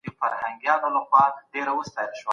موږ بايد د سياست په اړه د علمي قاعدو کار واخلو.